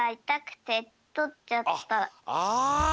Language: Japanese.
ああ。